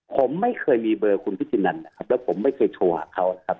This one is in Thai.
ผมไม่เคยมีเบอร์คุณพิชินันนะครับแล้วผมไม่เคยโทรหาเขานะครับ